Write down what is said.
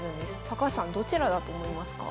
高橋さんどちらだと思いますか？